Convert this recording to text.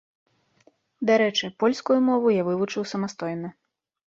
Дарэчы, польскую мову я вывучыў самастойна.